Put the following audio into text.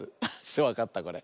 わかったこれ？